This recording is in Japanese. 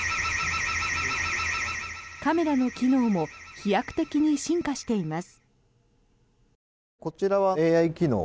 カメラの機能も飛躍的に進化しています。